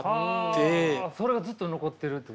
それがずっと残っているっていう。